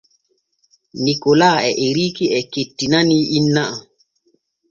Nikola e Eriiki e kettinanii inna am.